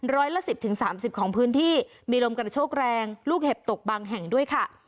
ร้อยละสิบถึงสามสิบของพื้นที่มีลมกระโชคแรงลูกเห็บตกบางแห่งด้วยค่ะ